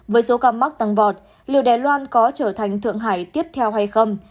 với số ca mắc tăng vọt liệu đài loan có trở thành thượng hải tiếp theo hay không